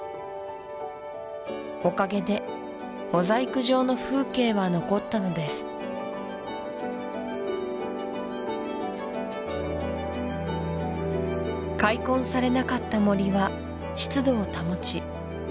おかげでモザイク状の風景は残ったのです開墾されなかった森は湿度を保ち